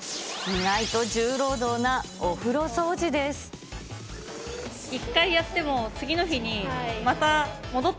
意外と重労働なお風呂掃除で一回やっても、永遠にね。